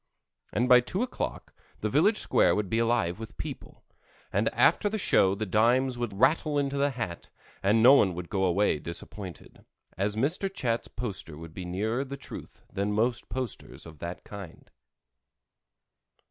and by two o'clock the village square would be alive with people, and after the show the dimes would rattle into the hat and no one would go away disappointed, as Mr. Chat's poster would be nearer the truth than most posters of its kind.